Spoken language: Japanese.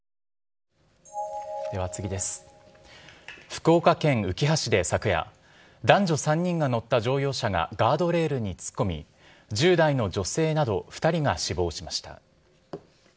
福岡県うきは市で昨夜、男女３人が乗った乗用車がガードレールに突っ込み、１０代の女性など２人が死亡しました。